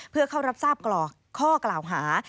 เพื่อเข้ารับทราบกรอกข้อกล่าวหา